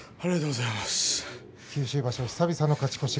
九州場所、久々の勝ち越し